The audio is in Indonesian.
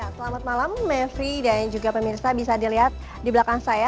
selamat malam mevri dan juga pemirsa bisa dilihat di belakang saya